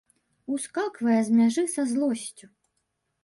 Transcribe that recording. Ускаквае з мяжы са злосцю.